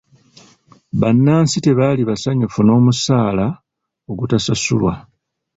Bannansi tebaali basanyufu n'omusaala ogutaasasulwa.